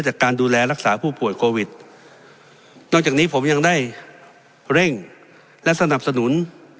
จากการดูแลรักษาผู้ป่วยโควิดนอกจากนี้ผมยังได้เร่งและสนับสนุน